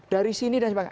dari sini dan sebagainya